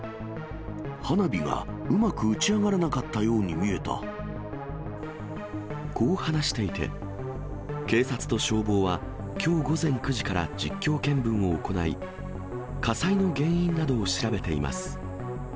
花火がうまく打ち上がらなかこう話していて、警察と消防は、きょう午前９時から実況見分を行い、火災の原因などを調べています。